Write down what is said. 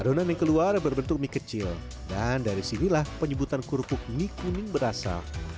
adonan mie keluar berbentuk mie kecil dan dari sinilah penyebutan kerupuk mie kuning berasal